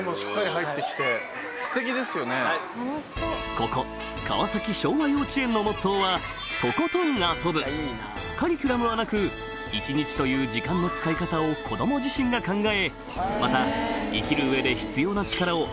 ここ川崎頌和幼稚園のモットーはカリキュラムはなく一日という時間の使い方を子ども自身が考え